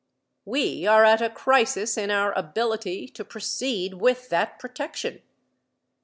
We are at a crisis in our ability to proceed with that protection.